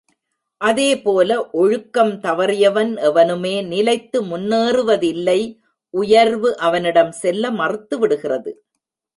அதே போல ஒழுக்கம் தவறியவன் எவனுமே நிலைத்து முன்னேறுவதில்லை உயர்வு அவனிடம் செல்ல மறுத்துவிடுகிறது.